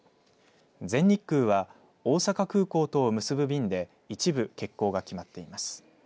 全日空は大阪空港とを結ぶ便で一部欠航が決まっています。